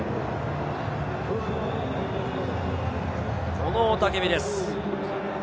この雄たけびです。